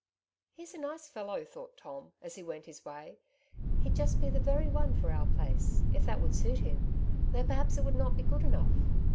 '^He's a nice fellow,'' thought Tom as he went his way ;" he'd just be the very one for our place, if that would suit him, though perhaps it would not be good enough."